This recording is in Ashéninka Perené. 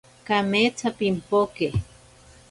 Kametsa pimpoke.